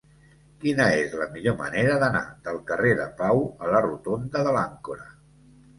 Quina és la millor manera d'anar del carrer de Pau a la rotonda de l'Àncora?